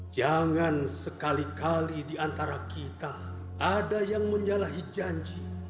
jangan sekali kali diantara kita ada yang menyalahi janji